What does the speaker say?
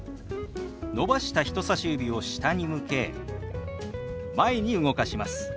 伸ばした人さし指を下に向け前に動かします。